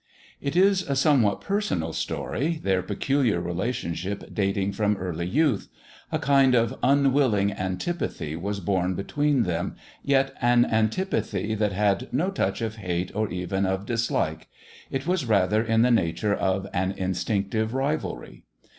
It is a somewhat personal story, their peculiar relationship dating from early youth: a kind of unwilling antipathy was born between them, yet an antipathy that had no touch of hate or even of dislike. It was rather in the nature of an instinctive rivalry.